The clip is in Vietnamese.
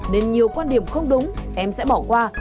nên nhiều quan điểm không đúng em sẽ bỏ qua